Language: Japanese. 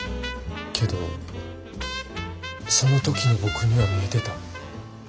けどその時の僕には見えてた。